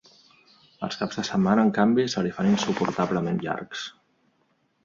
Els caps de setmana, en canvi, se li fan insuportablement llargs.